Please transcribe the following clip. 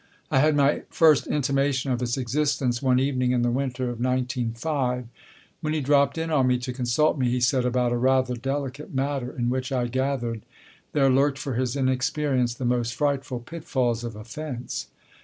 I had my first intimation of its existence one evening in the winter of nineteen five, when he dropped in on me to consult me, he said, about a rather delicate matter, in which I gathered there lurked for his inexperience the most frightful pitfalls of offence.